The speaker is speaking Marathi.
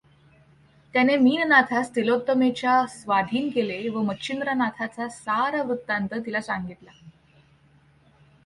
त्यानें मीननाथास तिलोत्तमेच्या स्वाधीन केलें व मच्छिंद्रनाथाचा सारा वृत्तांत तिला सांगितला.